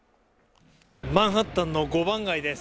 マンハッタンの５番街です